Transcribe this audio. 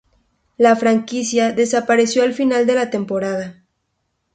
La franquicia desapareció al final de la temporada.